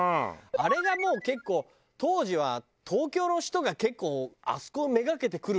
あれがもう結構当時は東京の人が結構あそこを目がけて来るみたいな。